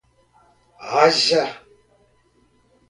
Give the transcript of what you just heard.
haja